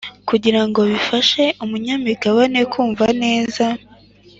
Kugira ngo bifashe umunyamigabane kumva neza